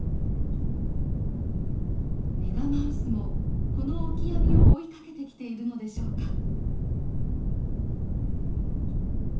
メガマウスもこのオキアミを追いかけてきているのでしょうか。